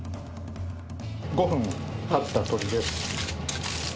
５分経った鶏です。